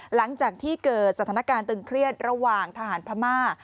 หลังจากที่เกิดสถานการณ์ตึงเครียดระหว่างทหารพม่า